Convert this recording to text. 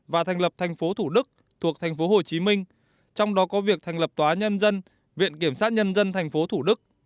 và thành lập thành phố thủ đức thuộc thành phố hồ chí minh trong đó có việc thành lập tòa nhân dân viện kiểm sát nhân dân thành phố thủ đức